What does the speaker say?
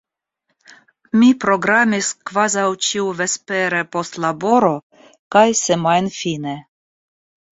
Mi programis kvazaŭ ĉiuvespere, post laboro, kaj semajnfine.